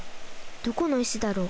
どこの石だろう？